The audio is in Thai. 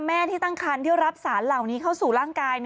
แม่ที่ตั้งคันที่รับสารเหล่านี้เข้าสู่ร่างกาย